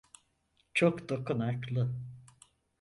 Çok dokunaklı.